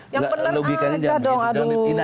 yang benar aja dong